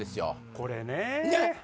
これね！